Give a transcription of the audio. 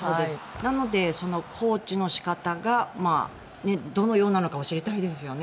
なのでコーチの仕方がどのようなのかを知りたいですよね。